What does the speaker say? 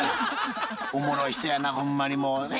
おもろい人やなほんまにもうね。